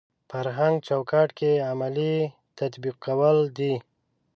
فرهنګ چوکاټ کې عملي تطبیقول دي.